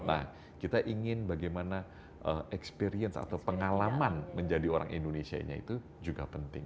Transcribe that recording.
nah kita ingin bagaimana experience atau pengalaman menjadi orang indonesianya itu juga penting